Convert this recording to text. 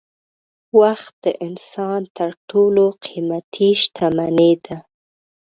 وخت د انسان تر ټولو قېمتي شتمني ده.